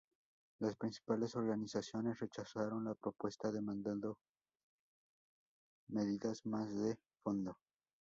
Las principales organizaciones rechazaron la propuesta demandando medidas más de fondo.